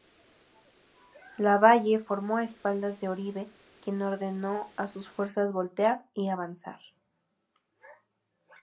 Lavalle formó a espaldas de Oribe, quien ordenó a sus fuerzas voltear y avanzar.